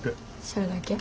それだけ？